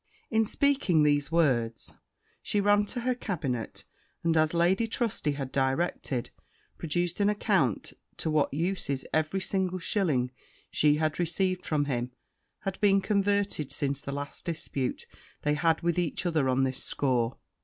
In speaking these words, she ran to her cabinet; and, as Lady Trusty had directed, produced an account to what uses every single shilling she had received from him had been converted since the last dispute they had with each other on this score.